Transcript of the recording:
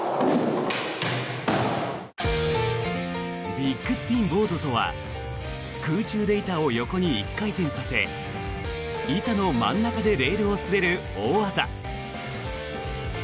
ビッグスピンボードとは空中で板を横に１回転させ板の真ん中でレールを滑る大技。